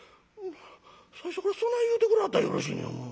「最初からそない言うてくれはったらよろしいのやもう。